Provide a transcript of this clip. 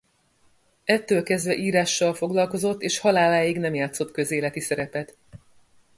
Ettől kezdve írással foglalkozott és haláláig nem játszott közéleti szerepet.